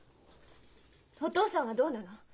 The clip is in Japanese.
お父さんはどうなの？